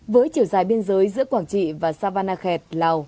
với chiều dài biên giới giữa quảng trị và savannah khẹt lào